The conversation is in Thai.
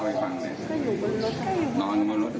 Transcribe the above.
เมื่อวานแบงค์อยู่ไหนเมื่อวาน